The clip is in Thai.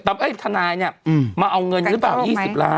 ทนายเนี่ยมาเอาเงินหรือเปล่า๒๐ล้าน